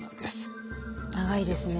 長いですね。